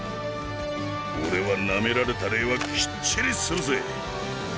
俺はナメられた礼はきっちりするぜ！